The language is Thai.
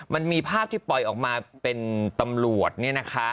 มันมีภาพที่ปล่อยออกมาเป็นตำรวจ